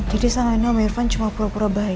jadi selain om irfan cuma pura pura baik